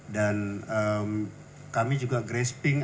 dan kami juga grasping